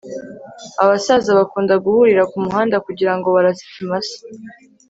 abasaza bakunda guhurira kumuhanda kugirango barase ikimasa